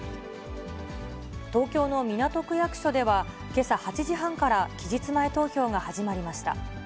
東京の港区役所では、けさ８時半から期日前投票が始まりました。